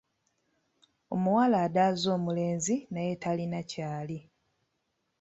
Omuwala adaaza omulenzi naye talina ky’ali.